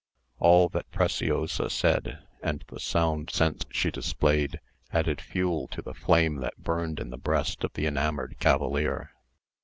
All that Preciosa said, and the sound sense she displayed, added fuel to the flame that burned in the breast of the enamoured cavalier.